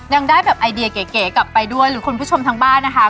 ยังได้แบบไอเดียเก๋กลับไปด้วยหรือคุณผู้ชมทางบ้านนะคะ